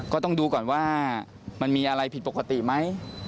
ก็ต้องดูก่อนว่ามันมีอะไรผิดปกติไหม